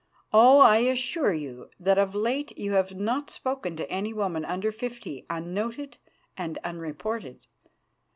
Oh! I assure you that of late you have not spoken to any woman under fifty unnoted and unreported.